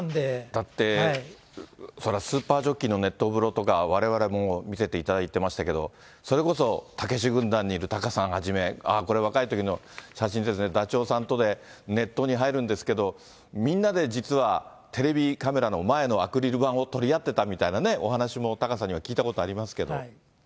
だって、そりゃ、スーパージョッキーの熱湯風呂とか、われわれも見せていただいてましたけれども、それこそたけし軍団にいるタカさんはじめ、これ、若いときの写真ですね、ダチョウさんとで熱湯に入るんですけど、みんなで実はテレビカメラの前のアクリル板を取り合ってたみたいなお話もタカさんから聞いたことありますけど。